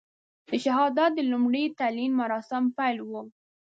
د شهادت د لومړي تلین مراسم پیل وو.